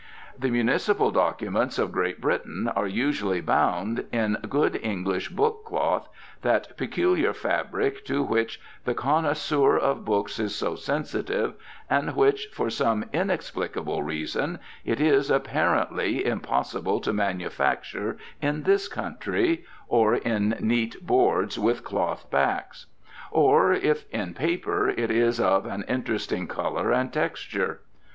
The municipal documents of Great Britain are usually bound, in good English book cloth, that peculiar fabric to which the connoisseur of books is so sensitive, and which, for some inexplicable reason, it is, apparently, impossible to manufacture in this country; or in neat boards, with cloth backs. Or if in paper it is of an interesting colour and texture.